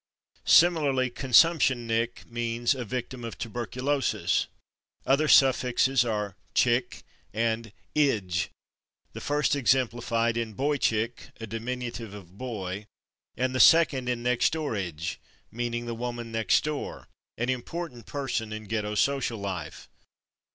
Similarly, /consumptionick/ means a victim of tuberculosis. Other suffixes are / chick/ and / ige/, the first exemplified in /boychick/, a diminutive of /boy/, and the second in /next doorige/, meaning the woman next door, an important person in ghetto social life.